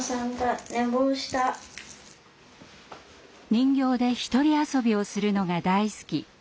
人形で一人遊びをするのが大好き。